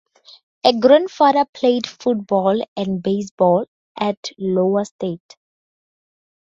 A grandfather played football and baseball at Iowa State.